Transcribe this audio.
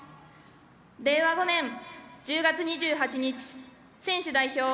令和５年１０月２８日選手代表